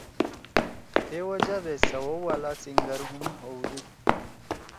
تے وجہ دے سوَؤ والا سینگر ہُم ہؤدُود۔